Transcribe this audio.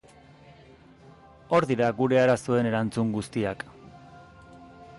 Hor dira gure arazoen erantzun guziak.